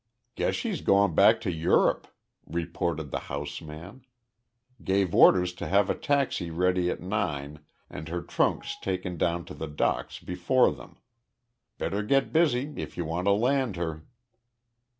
"Guess she's going back to Europe," reported the house man. "Gave orders to have a taxi ready at nine and her trunks taken down to the docks before them. Better get busy if you want to land her."